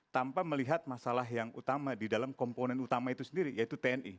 tanpa melihat masalah yang utama di dalam komponen utama itu sendiri yaitu tni